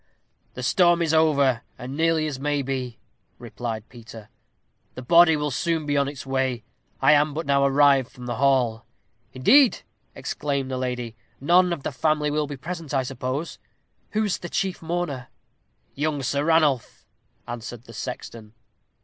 "The storm is over, as nearly as maybe," replied Peter. "The body will soon be on its way. I am but now arrived from the hall." "Indeed!" exclaimed the lady. "None of the family will be present, I suppose. Who is the chief mourner?" "Young Sir Ranulph," answered the sexton.